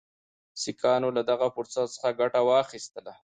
سیکهانو له دغه فرصت څخه ګټه واخیستله.